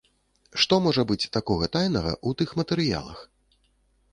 Што можа быць такога тайнага ў тых матэрыялах?